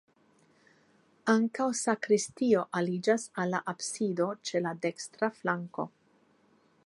Ankaŭ sakristio aliĝas al la absido ĉe la dekstra flanko.